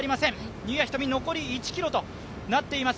新谷仁美、残り１ｋｍとなっています。